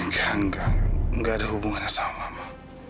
enggak enggak enggak ada hubungannya sama mama